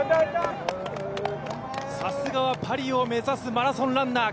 さすがはパリを目指すマラソンランナー。